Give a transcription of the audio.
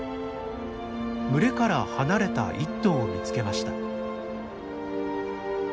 群れから離れた１頭を見つけました。